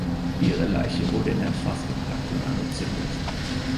Ihre Leiche wurde in ein Fass gepackt und angezündet.